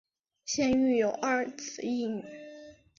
现育有二子一女。